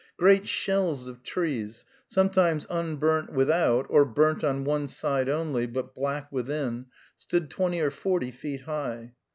Great shells of trees, sometimes unburnt without, or burnt on one side only, but black within, stood twenty or forty feet high.